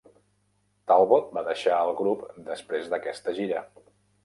Talbot va deixar el grup després d'aquesta gira.